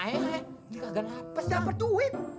ini kaget hapas dapet duit